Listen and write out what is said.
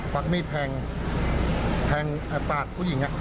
วักมีดแทงแทงปากผู้หญิง